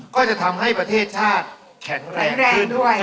ก็จะทำให้ประเทศชาติแข็งแรงขึ้นด้วย